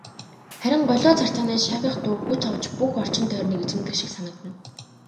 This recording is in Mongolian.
Харин голио царцааны шаагих дуу хүч авч бүх орчин тойрныг эзэмдэх шиг санагдана.